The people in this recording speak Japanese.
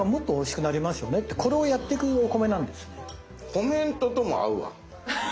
コメントとも合うわ。